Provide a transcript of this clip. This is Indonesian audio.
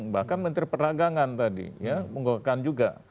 bahkan menteri peragangan tadi mengukakan juga